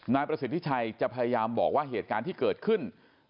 นายประสิทธิชัยจะพยายามบอกว่าเหตุการณ์ที่เกิดขึ้น